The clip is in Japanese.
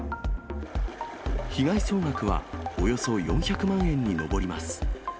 被害総額は、およそ４００万円に上ります。